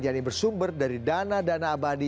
yang ini bersumber dari dana dana abadi